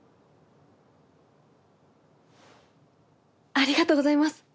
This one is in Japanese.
ありがとうございます！